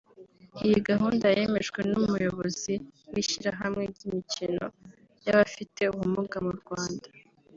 Iyi gahunda yemejwe n’Umuyobozi w’ishyirahamwe ry’imikino y’abafite ubumuga mu Rwanda